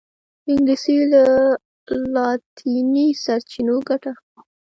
انګلیسي له لاطیني سرچینو ګټه اخلي